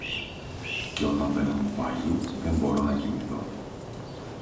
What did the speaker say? Και όταν δεν έχω φάγει, δεν μπορώ να κοιμηθώ